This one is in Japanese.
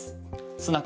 スナク